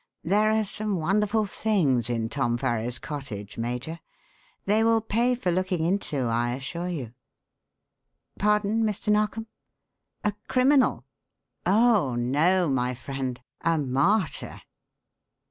There are some wonderful things in Tom Farrow's cottage, Major; they will pay for looking into, I assure you. Pardon, Mr. Narkom? A criminal? Oh, no, my friend a martyr!"